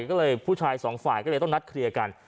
ก็เลยผู้ชายสองฝ่ายก็เลยต้องนัดเคลียร์กัน